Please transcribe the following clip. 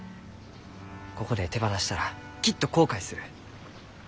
ここで手放したらきっと後悔する。